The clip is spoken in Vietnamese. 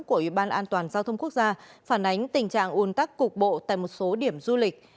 của ủy ban an toàn giao thông quốc gia phản ánh tình trạng un tắc cục bộ tại một số điểm du lịch